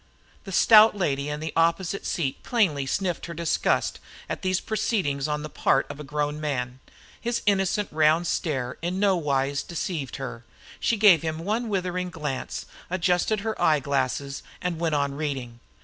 The stout lady in the opposite seat plainly sniffed her disgust at these proceedings on the part of a grown man. His innocent round stare in no wise deceived her. She gave him one withering glance, adjusted her eye glass, and went on reading.